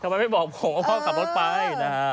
ทำไมไม่บอกผมว่าพ่อขับรถไปนะฮะ